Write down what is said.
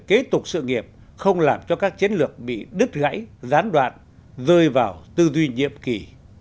kế tục sự nghiệp không làm cho các chiến lược bị đứt gãy gián đoạn rơi vào tư duy nhiệm kỳ